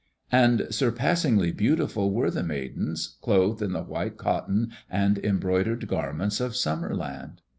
And surpassingly beautiful were the Maidens clothed in the white cotton and embroidered garments of Summer land.